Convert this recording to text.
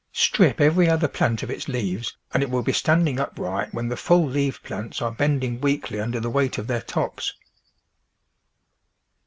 Strip every other plant of its leaves and it will be standing upright when the full leaved plants are bending weakly under the weight of their tops.